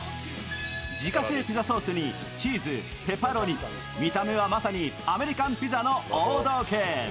自家製ピザソースにチーズ、ペパロニ、見た目はまさにアメリカンピザの王道系。